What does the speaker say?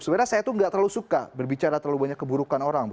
sebenarnya saya tuh gak terlalu suka berbicara terlalu banyak keburukan orang